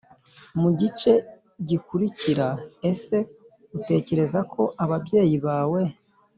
Mu gice gikurikira ese utekereza ko ababyeyi bawe